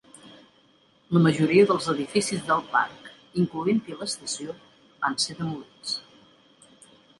La majoria dels edificis del parc, incloent-hi l'estació, van ser demolits.